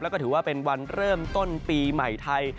แล้วก็ถือว่าเป็นวันเริ่มต้นปีใหม่ไทย